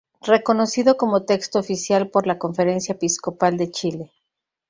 Reconocido como texto oficial por la Conferencia Episcopal de Chile.